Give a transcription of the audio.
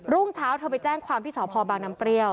รุ่งเช้าเธอไปแจ้งความที่สพบางน้ำเปรี้ยว